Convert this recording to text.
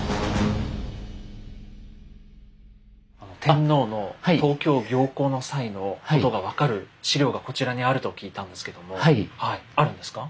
天皇の東京行幸の際のことが分かる史料がこちらにあると聞いたんですけどもはいあるんですか？